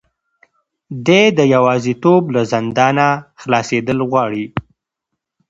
دی د یوازیتوب له زندانه خلاصېدل غواړي.